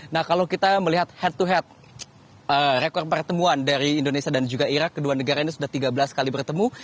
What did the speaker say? nah kalau kita melihat head to head rekor pertemuan dari indonesia dan juga irak kedua negara ini sudah tiga belas kali bertemu